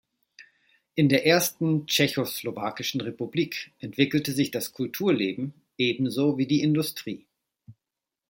In der ersten tschechoslowakischen Republik entwickelte sich das Kulturleben, ebenso wie die Industrie.